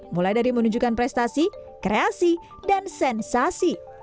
mulai dari menunjukkan prestasi kreasi dan sensasi